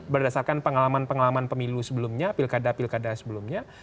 berdasarkan pengalaman pengalaman pemilu sebelumnya pilkada pilkada sebelumnya